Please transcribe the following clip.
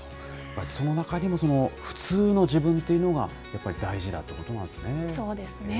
その中にも、普通の自分というのがやっぱり大事だってことなそうですね。